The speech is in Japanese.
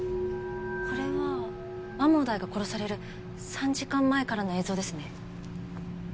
これは天羽大が殺される３時間前からの映像ですね。